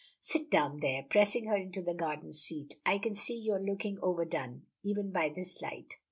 "Sit down there," pressing her into the garden seat. "I can see you are looking overdone, even by this light.